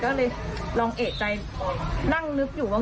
ก็เลยลองเอกใจนั่งนึกอยู่ว่า